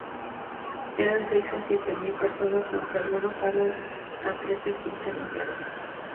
Eran seis a siete mil personas, aunque algunos hablan de trece a quince millares.